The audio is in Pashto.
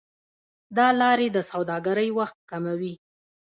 دا لارې د سوداګرۍ وخت کموي.